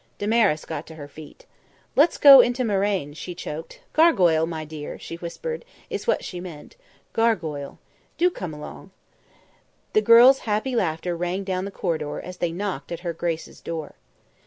Damaris got to her feet. "Let's go in to Marraine," she choked. "Gargoyle, my dear," she whispered, "is what she meant gargoyle. Do come along!" The girls' happy laughter rang down the corridor as they knocked at her grace's door.